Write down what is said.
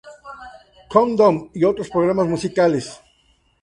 Countdown", y otros programas musicales.